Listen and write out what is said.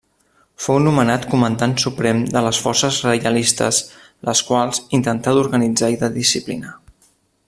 Fou nomenat comandant suprem de les forces reialistes, les quals intentà d'organitzar i de disciplinar.